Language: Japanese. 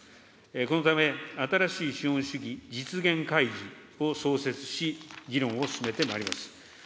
このため、新しい資本主義実現会議を創設し、議論を進めてまいります。